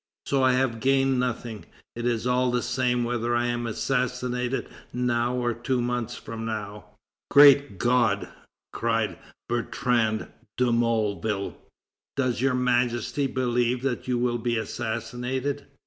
So I have gained nothing; it is all the same whether I am assassinated now or two months from now!" "Great God!" cried Bertrand de Molleville, "does Your Majesty believe that you will be assassinated?"